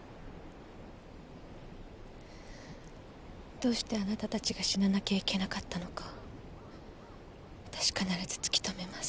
どうしてあなたたちが死ななきゃいけなかったのかわたし必ず突き止めます。